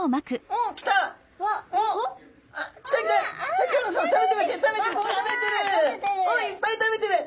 おおいっぱい食べてる。